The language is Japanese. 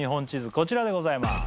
こちらでございます。